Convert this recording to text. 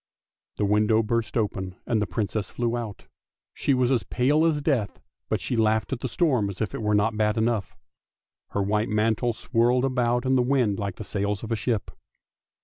The window burst open and the Princess flew out ; she was as pale as death, but she laughed at the storm as if it were not bad enough ; her white mantle swirled about in the wind like the sails of a ship.